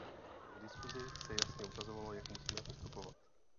V diskusi se jasně ukázalo, jak musíme postupovat.